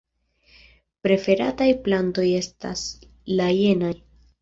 Preferataj plantoj estas la jenaj.